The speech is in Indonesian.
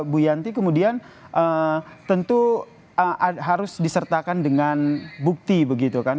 bu yanti kemudian tentu harus disertakan dengan bukti begitu kan